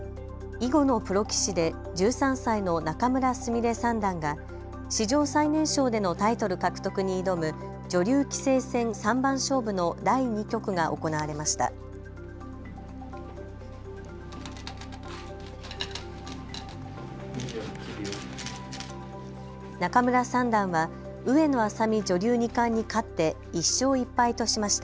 囲碁のプロ棋士で１３歳の仲邑菫三段が史上最年少でのタイトル獲得に挑む女流棋聖戦三番勝負の第２局が行われました。